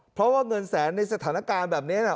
เพราะว่าเงินแสนในสถานการณ์แบบนี้นะ